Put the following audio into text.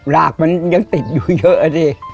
รากมันยังติดอยู่เยอะนี่